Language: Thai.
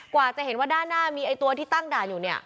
กว่าจะเห็นว่าด้านหน้ามีไอ้ตัวที่ตั้งด่านอยู่เนี่ย